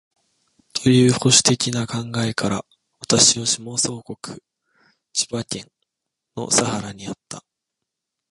という保守的な考えから、私を下総国（千葉県）の佐原にあった